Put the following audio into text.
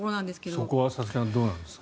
そこは佐々木さんどうなんですか。